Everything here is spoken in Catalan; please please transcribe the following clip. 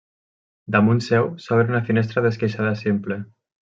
Damunt seu s'obre una finestra d'esqueixada simple.